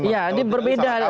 ya jadi berbeda